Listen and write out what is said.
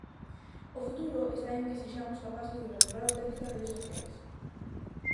O futuro está en que sexamos capaces de vertebrar auténticas redes sociais.